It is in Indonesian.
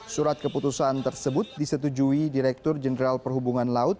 surat keputusan tersebut disetujui direktur jenderal perhubungan laut